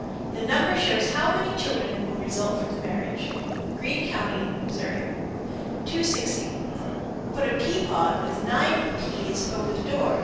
The number shows how many children will result from the marriage. Greene Co., Mo. 260. Put a pea pod with nine peas over the door.